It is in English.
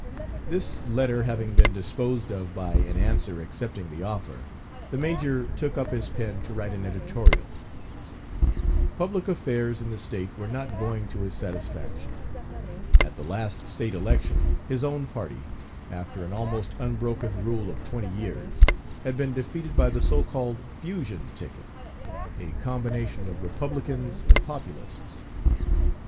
This letter having been disposed of by an answer accepting the offer, the major took up his pen to write an editorial. Public affairs in the state were not going to his satisfaction. At the last state election his own party, after an almost unbroken rule of twenty years, had been defeated by the so called "Fusion" ticket, a combination of Republicans and Populists.